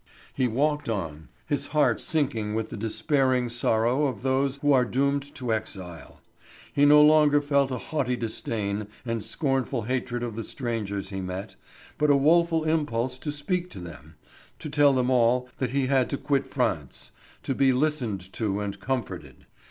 He walked on, his heart sinking with the despairing sorrow of those who are doomed to exile. He no longer felt a haughty disdain and scornful hatred of the strangers he met, but a woeful impulse to speak to them, to tell them all that he had to quit France, to be listened to and comforted.